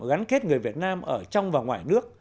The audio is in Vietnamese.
gắn kết người việt nam ở trong và ngoài nước